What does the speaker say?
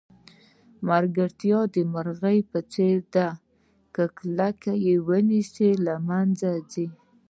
ملګرتیا د مرغۍ په څېر ده که کلکه یې ونیسئ له منځه ځي.